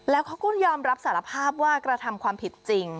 แล้วเขาก็ยอมรับสารภาพว่ากระทำความผิดจริง